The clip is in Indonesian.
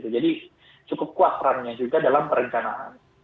jadi cukup kuat perangnya juga dalam perencanaan